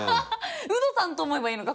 ウドさんと思えばいいのか！